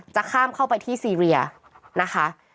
จะข้ามเข้าไปที่ซีเรียนะคะ